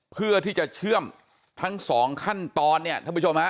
เพื่อที่จะเชื่อมทั้งสองขั้นตอนเนี่ยท่านผู้ชมฮะ